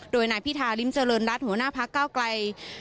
โดยนายพิธาริมเจริญรัฐหัวหน้าพักเก้าไกล